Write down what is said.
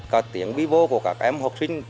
cả tiếng bí vô của các em học sinh